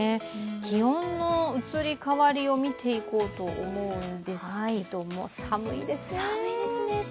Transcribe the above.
気温の移り変わりを見ていこうと思うんですが、寒いですね。